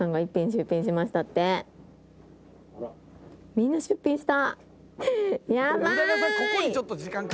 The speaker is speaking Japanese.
みんな出品した。